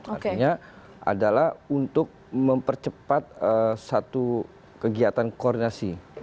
artinya adalah untuk mempercepat satu kegiatan koordinasi